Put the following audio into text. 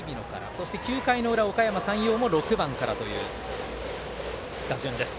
そして９回の裏、おかやま山陽も６番からという打順です。